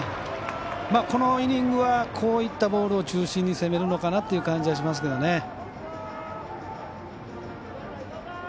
このイニングはこういったボールを中心に攻めるのかなという感じがしますけどね。